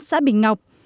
xã bình ngọc